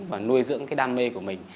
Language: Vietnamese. và nuôi dưỡng cái đam mê của mình